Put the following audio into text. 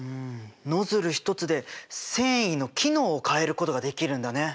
ノズル一つで繊維の機能を変えることができるんだね。